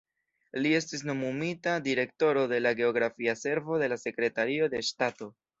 Li estis nomumita direktoro de la geografia servo de la Sekretario de Ŝtato.